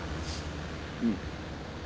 うん。